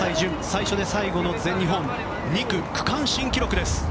最初で最後の全日本２区、区間新記録です。